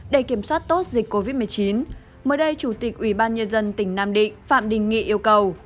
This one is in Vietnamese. để kiểm soát tốt dịch covid một mươi chín mới đây chủ tịch ubnd tỉnh nam định phạm đình nghị yêu cầu